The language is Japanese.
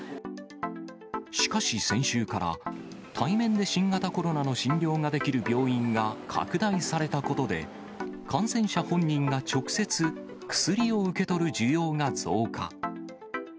しかし先週から、対面で新型コロナの診療ができる病院が拡大されたことで、感染者本人が直接、薬を受け取る需要が増加。